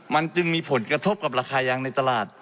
มันจึงมีผลกระทบกับราคายางในตลาด